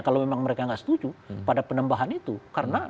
kalau memang mereka nggak setuju pada penambahan itu karena